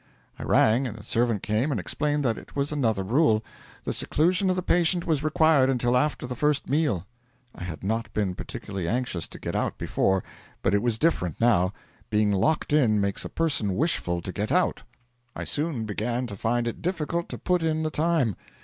I rang, and the servant came and explained that it was another rule. The seclusion of the patient was required until after the first meal. I had not been particularly anxious to get out before; but it was different now. Being locked in makes a person wishful to get out. I soon began to find it difficult to put in the time.